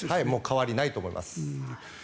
変わりないと思います。